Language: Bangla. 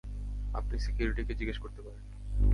আপনি সিকিউরিটিকে জিজ্ঞেস করতে পারেন।